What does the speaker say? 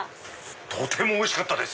とてもおいしかったです。